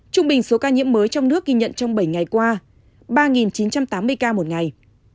trung bình số ca nhiễm mới trong nước ghi nhận trong bảy ngày qua ba chín trăm tám mươi ca một ngày